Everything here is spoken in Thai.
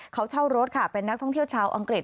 เขาเช่ารถค่ะเป็นนักท่องเที่ยวชาวอังกฤษ